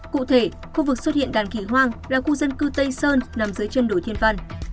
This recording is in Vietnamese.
cụ thể khu vực xuất hiện đàn khỉ hoang là khu dân cư tây sơn nằm dưới chân đồi thiên văn